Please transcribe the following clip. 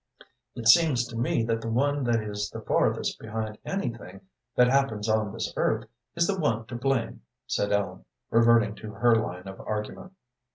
"It seems to me that the one that is the farthest behind anything that happens on this earth is the one to blame," said Ellen, reverting to her line of argument.